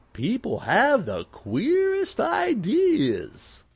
People have the queerest ideas!"